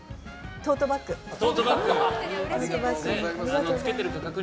トートバッグに。